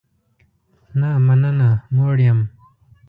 نه مننه، موړ یم